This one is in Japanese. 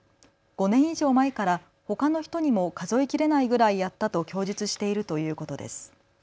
５年以上前からほかの人にも数え切れないぐらいやったと供述しているということです。